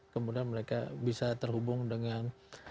kemudian mereka bisa terhubung dengan